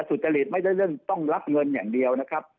สุจริตไม่ได้เรื่องต้องรับเงินอย่างเดียวนะครับ